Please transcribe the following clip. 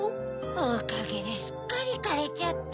おかげですっかりかれちゃって。